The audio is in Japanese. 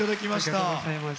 ありがとうございます。